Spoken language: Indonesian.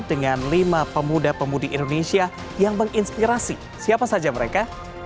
dengan lima pemuda pemudi indonesia yang menginspirasi siapa saja mereka